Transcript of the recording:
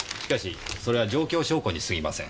それは状況証拠にすぎません。